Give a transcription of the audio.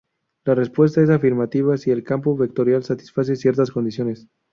La respuesta es afirmativa si el campo vectorial satisface ciertas condiciones.